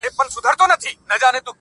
o سر مي بلند دی.